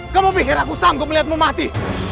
kamu pikir aku sanggup melihatmu mati